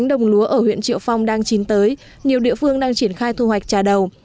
đồng lúa ở huyện triệu phong đang chín tới nhiều địa phương đang triển khai thu hoạch trà đầu